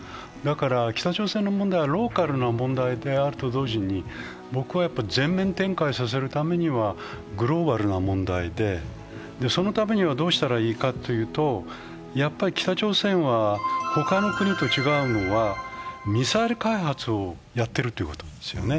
北朝鮮の問題はローカルな問題であると同時に全面展開させるためにはグローバルな問題で、そのためにどうしたらいいかというと北朝鮮は他の国と違うのはミサイル開発をやってるということなんですよね。